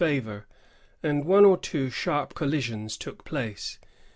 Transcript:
155 iavor, and one or two sharp collisions took place.